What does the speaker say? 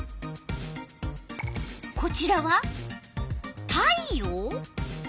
こちらは「太陽」？